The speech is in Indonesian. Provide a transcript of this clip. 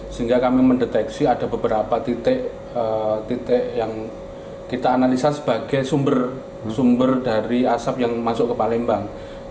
sehingga kami mendeteksi ada beberapa titik yang kita analisa sebagai sumber dari asap yang masuk ke palembang